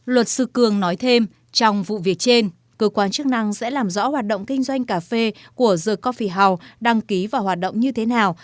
luật sư cường nói thêm trong vụ việc trên cơ quan chức năng sẽ làm rõ hoạt động kinh doanh cà phê của the coffi hun đăng ký và hoạt động như thế nào